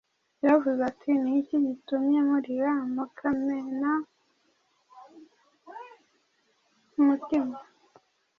Yaravuze ati: “Ni iki gitumye murira mukamena umutima?